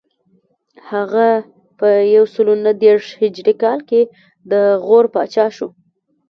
هغه په یو سل نهه دېرش هجري کال کې د غور پاچا شو